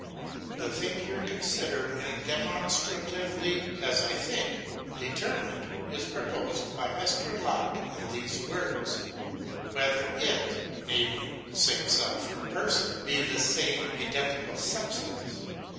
The thing here considered, and demonstratively, as I think, determined, is proposed by Mr. Locke in these words. Whether it, i.e., the same self or person, be the same identical substance